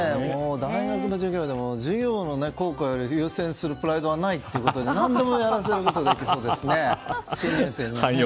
大学の授業でも授業の効果より優先するプライドはないとか何でもやらせることができそうですね。